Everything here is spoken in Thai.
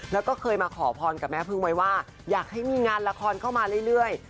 แล้วก็เคยมาขอพรกับแม่พึ่งไว้ว่าอยากให้มีงานละครเข้ามาเรื่อย